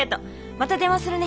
また電話するね。